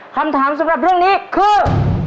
คำถามสำหรับเรื่องนี้คือ